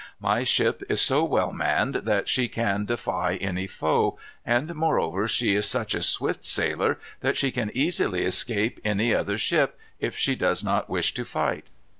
My ship is so well manned that she can defy any foe; and moreover, she is such a swift sailer, that she can easily escape any other ship, if she does not wish to fight.